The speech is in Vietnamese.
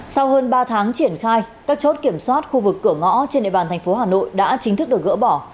sau hơn ba tháng triển khai các chốt kiểm soát khu vực cửa ngõ trên địa bàn thành phố hà nội đã chính thức được gỡ bỏ